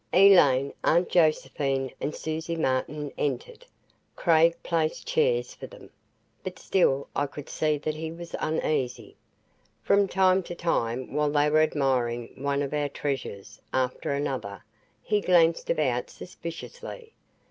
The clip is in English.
Elaine, Aunt Josephine and Susie Martin entered. Craig placed chairs for them, but still I could see that he was uneasy. From time to time, while they were admiring one of our treasures after another, he glanced about suspiciously.